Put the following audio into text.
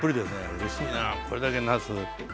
うれしいなこれだけなす。